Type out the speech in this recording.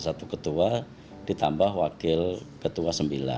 satu ketua ditambah wakil ketua sembilan